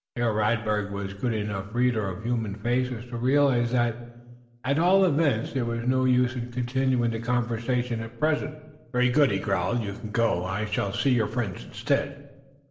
Herr Radberg was a good enough reader of human faces to realize that, at all events, there was no use in continuing the conversation at present. "Very good," he growled. "You can go. I shall see your friends, instead."